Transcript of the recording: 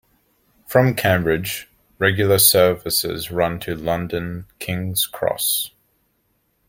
From Cambridge, regular services run to London King's Cross.